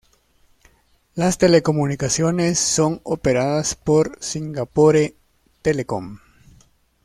Las telecomunicaciones son operadas por Singapore Telecom.